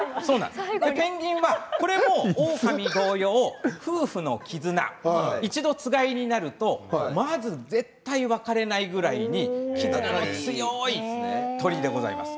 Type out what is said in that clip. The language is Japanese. ペンギンはこれもオオカミ同様夫婦の絆、一度つがいになるとまず絶対、別れないぐらい絆が強い鳥でございます。